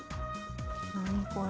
何これ。